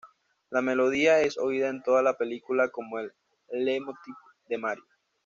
La melodía es oída en toda la película como el leitmotiv de Mary.